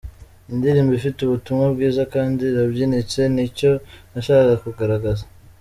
Indirimbo ifite ubutumwa bwiza kandi irabyinitse ni cyo nashakaga kugaragaza.